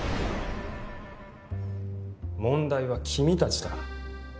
問題は君たちだ。